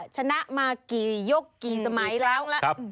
ชนะมากี่ยกกี่สมัยแล้วแล้ว